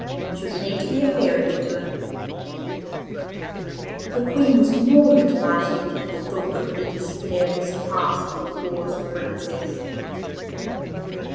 She would need to be a fairy to do it.' The Queen was more than delighted at the thought of the despair this task would cause the Princess.